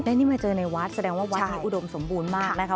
นี่มาเจอในวัดแสดงว่าวัดนี้อุดมสมบูรณ์มากนะคะ